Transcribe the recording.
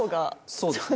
そうですね。